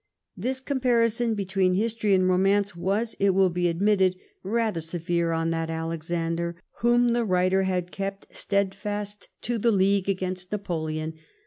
This comparison between History and Romance was, it will be admitted, rather severe on that Alexander whom the writer had kept steadfast to the league against Napoleon ; v.